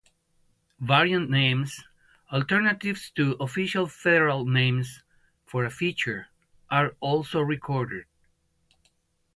Variant names, alternatives to official federal names for a feature, are also recorded.